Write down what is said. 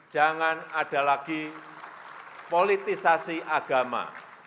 jangan ada lagi politisasi agama